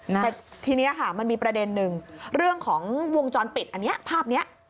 แต่ทีนี้ค่ะมันมีประเด็นหนึ่งเรื่องของวงจรปิดอันนี้ภาพนี้